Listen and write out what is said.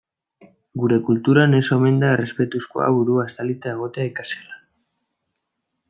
Gure kulturan ez omen da errespetuzkoa burua estalita egotea ikasgelan.